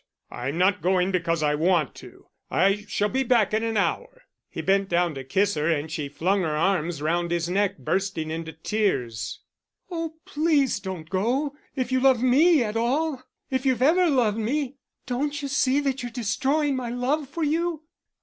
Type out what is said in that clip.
I'm not going because I want to. I shall be back in an hour." He bent down to kiss her, and she flung her arms round his neck, bursting into tears. "Oh, please don't go if you love me at all, if you've ever loved me.... Don't you see that you're destroying my love for you?"